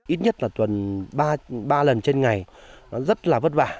ít nhất là tuần ba lần trên ngày nó rất là vất vả